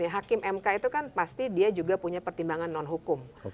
hakim mk itu kan pasti dia juga punya pertimbangan non hukum